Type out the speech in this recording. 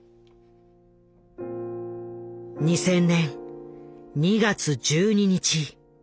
２０００年２月１２日。